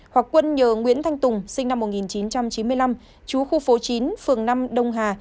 hoặc quân nhờ nguyễn thanh tùng sinh năm một nghìn chín trăm chín mươi năm chú khu phố chín phường năm đông hà